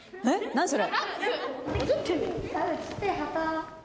何それ？